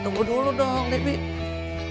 tunggu dulu dong debbie